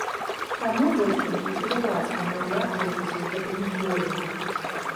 Таму, дзяўчынкі, калі ласка, не ўляпвайцеся у гэта ніколі!